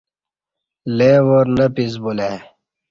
لے وار نہ پِس بُلہ ای